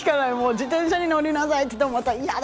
自転車に乗りなさいって言っても、嫌だ！